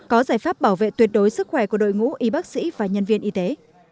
có giải pháp bảo vệ tuyệt đối sức khỏe của đội ngũ y bác sĩ và nhân viên y tế